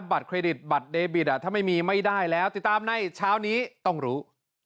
บัตรเครดิตบัตรเดบิตถ้าไม่มีไม่ได้แล้วติดตามในเช้านี้ต้องรู้